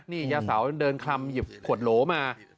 นี่ยาสาวเดินคลำหยิบขวดโหลมา